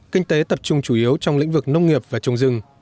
kinh tế tập trung chủ yếu trong lĩnh vực nông nghiệp và trồng rừng